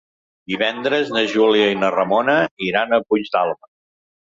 Divendres na Júlia i na Ramona iran a Puigdàlber.